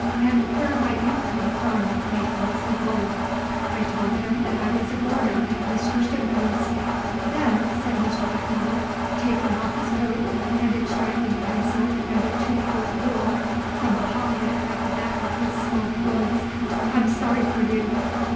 "And where might you come from, makin' so bold?" I told him that I was a boarder at Mr. Stimcoe's. "Then," said Mr. Goodfellow, taking off his coat and extracting a pencil and a two foot rule from a pocket at the back of his small clothes, "I'm sorry for you.